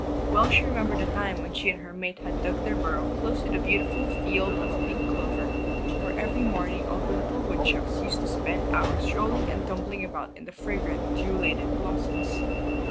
Well she remembered the time when she and her mate had dug their burrow close to the beautiful field of pink clover, where every morning all the little woodchucks used to spend hours rolling and tumbling about in the fragrant, dew laden blossoms.